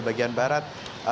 di bagian barat